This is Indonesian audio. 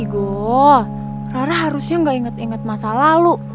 rara harusnya gak inget inget masa lalu